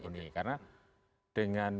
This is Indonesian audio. ini karena dengan